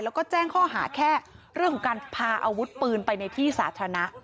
แล้วก็แจ้งข้อหาแค่เรื่องของการพาอาวุธปืนไปในที่สาธารณะ